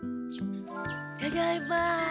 ・ただいま。